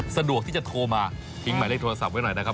สะดวกที่จะโทรมาทิ้งหมายเลขโทรศัพท์ไว้หน่อยนะครับ